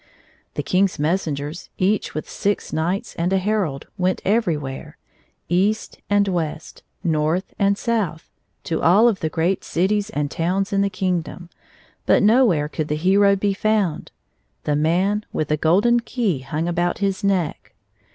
The King's messengers, each with six knights and a herald, went everywhere — east and west, north and south — to all of the great cities and towns in the kingdom, but nowhere could the hero be found — the man with the golden key hung about his neck.